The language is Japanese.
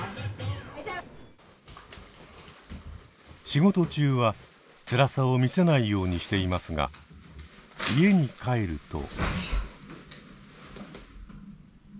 仕事中はつらさを見せないようにしていますが家に帰ると。